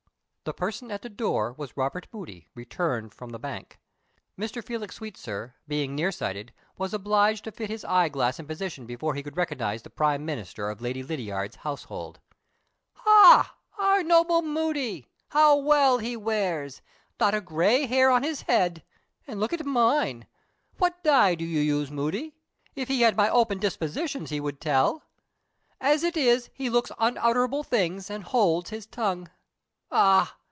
The person at the door was Robert Moody, returned from the bank. Mr. Felix Sweetsir, being near sighted, was obliged to fit his eye glass in position before he could recognize the prime minister of Lady Lydiard's household. "Ha! our worthy Moody. How well he wears! Not a gray hair on his head and look at mine! What dye do you use, Moody? If he had my open disposition he would tell. As it is, he looks unutterable things, and holds his tongue. Ah!